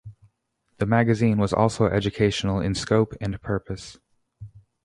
The magazine was also educational in scope and purpose.